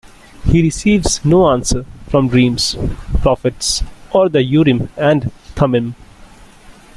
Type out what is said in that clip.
He receives no answer from dreams, prophets, or the Urim and Thummim.